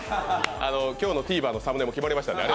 今日のＴＶｅｒのサムネも決まりましたから。